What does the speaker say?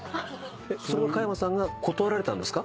それは加山さんが断られたんですか？